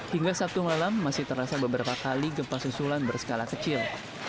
hingga sabtu malam masih terasa beberapa kali gempa susulan berskala kecil